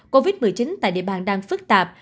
covid một mươi chín tại địa bàn đang phức tạp